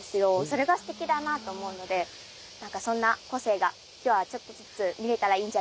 それがすてきだなと思うので何かそんな個性が今日はちょっとずつ見れたらいいんじゃないかなって思ってます。